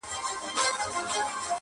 د شته من مړی یې تل غوښتی له خدایه -